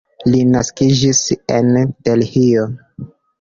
Li naskiĝis en Delhio.